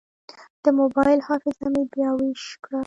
د موبایل حافظه مې بیا ویش کړه.